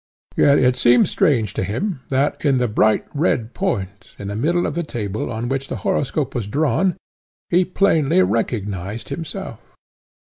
Yet it seemed strange to him, that, in the bright red point, in the middle of the table on which the horoscope was drawn, he plainly recognised himself.